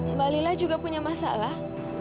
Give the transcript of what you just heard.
mbak lila juga punya masalah